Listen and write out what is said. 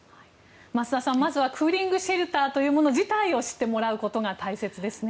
増田さん、まずはクーリングシェルターというもの自体を知ってもらうことが大切ですね。